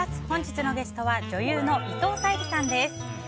本日のゲストは女優の伊藤沙莉さんです。